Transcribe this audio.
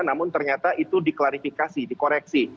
namun ternyata itu diklarifikasi dikoreksi